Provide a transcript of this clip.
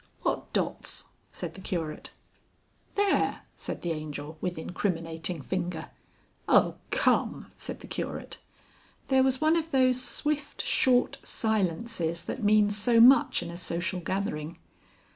"What dots?" said the Curate. "There!" said the Angel with incriminating finger. "Oh come!" said the Curate. There was one of those swift, short silences that mean so much in a social gathering.